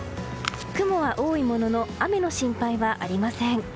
雲は多いものの雨の心配はありません。